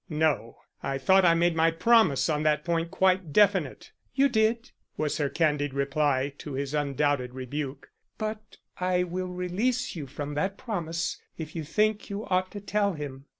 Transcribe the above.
"No. I thought I made my promise on that point quite definite." "You did," was her candid reply to his undoubted rebuke. "But I will release you from that promise if you think you ought to tell him."